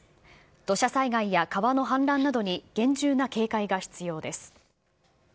土砂災害や川の氾濫などに厳重な警戒が必要です。